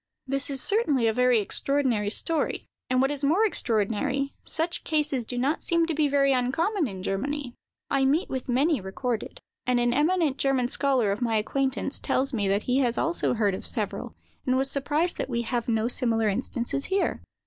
This is certainly a very extraordinary story; and what is more extraordinary, such cases do not seem to be very uncommon in Germany. I meet with many recorded: and an eminent German scholar of my acquaintance tells me that he has also heard of several, and was surprised that we have no similar instances here.